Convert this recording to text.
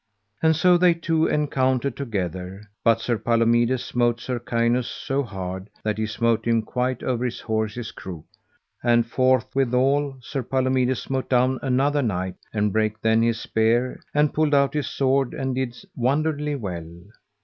And so they two encountered together, but Sir Palomides smote Sir Kainus so hard that he smote him quite over his horse's croup. And forthwithal Sir Palomides smote down another knight, and brake then his spear, and pulled out his sword and did wonderly well.